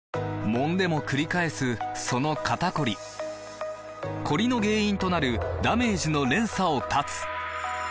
もんでもくり返すその肩こりコリの原因となるダメージの連鎖を断つ！